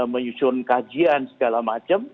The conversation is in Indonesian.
menyusun kajian segala macam